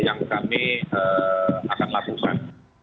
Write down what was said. yang kami akan lakukan